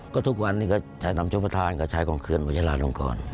ก็ทุกวันนี้ก็ใช้ทำชุพธานก็ใช้คนมงเชลล์เวชาลลังกร